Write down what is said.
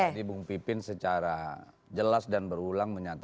jadi bung pipin secara jelas dan berulang